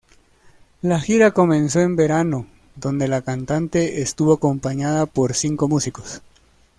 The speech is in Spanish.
La gira comenzó en verano donde la cantante estuvo acompañada por cinco músicos.